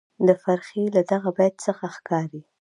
د فرخي له دغه بیت څخه ښکاري،